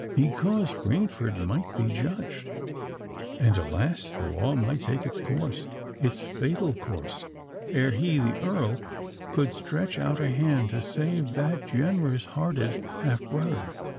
Because Rainford might be judged, and, alas! the law might take its course—its fatal course—ere he, the Earl, could stretch out a hand to save that generous hearted half brother.